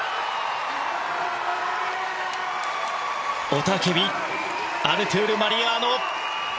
雄たけびアルトゥール・マリアーノ。